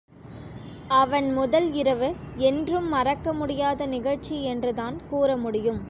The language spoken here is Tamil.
அவன் முதல் இரவு என்றும் மறக்க முடியாத நிகழ்ச்சி என்றுதான் கூற முடியும்.